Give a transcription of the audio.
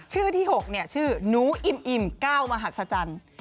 ชื่อที่๖ชื่อหนูอิ่มอิ่มเก้ามหัศจรรย์